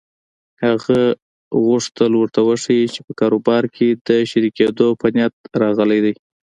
هغه غوښتل ورته وښيي چې په کاروبار کې د شريکېدو په نيت راغلی دی.